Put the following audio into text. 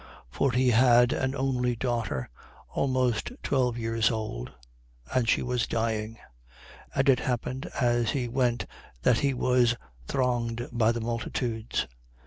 For he had an only daughter, almost twelve years old, and she was dying. And it happened as he went that he was thronged by the multitudes. 8:43.